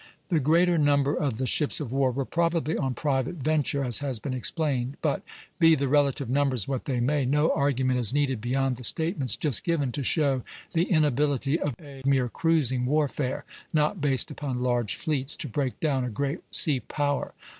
The greater number of the ships of war were probably on private venture, as has been explained. But, be the relative numbers what they may, no argument is needed beyond the statements just given, to show the inability of a mere cruising warfare, not based upon large fleets, to break down a great sea power.